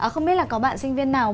không biết là có bạn sinh viên nào